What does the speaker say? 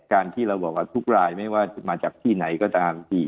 การที่เราบอกว่าทุกรายไม่ว่าจะมาจากที่ไหนก็ตามที